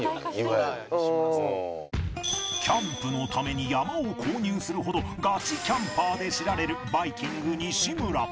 キャンプのために山を購入するほどガチキャンパーで知られるバイきんぐ西村